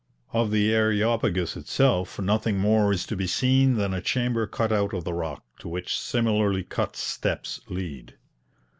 Of the Areopagus itself nothing more is to be seen than a chamber cut out of the rock, to which similarly cut steps lead.